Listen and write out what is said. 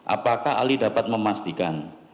apakah ali dapat memastikan